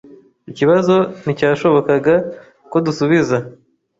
Ikibazo nticyashobokaga ko dusubiza.